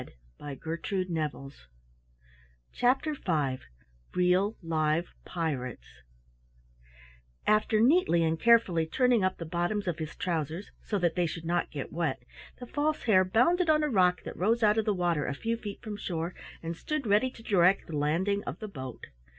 CHAPTER V REAL LIVE PIRATES After neatly and carefully turning up the bottoms of his trousers so that they should not get wet, the False Hare bounded on a rock that rose out of the water a few feet from shore, and stood ready to direct the landing of the boat.